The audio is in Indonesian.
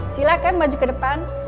silakan maju ke depan